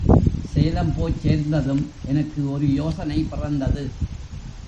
சேலம் போய்ச் சேர்ந்ததும் எனக்கு ஒரு யோசனை பிறந்தது.